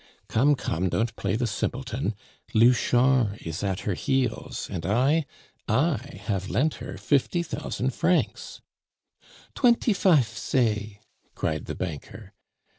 "Come, come, don't play the simpleton. Louchard is at her heels, and I I have lent her fifty thousand francs " "Twenty fife say!" cried the banker.